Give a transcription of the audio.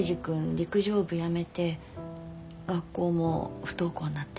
陸上部やめて学校も不登校になってって。